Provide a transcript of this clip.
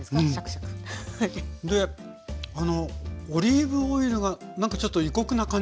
オリーブオイルがなんかちょっと異国な感じも。